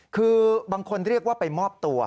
คือบางคนเรียกว่าไปมอบตัว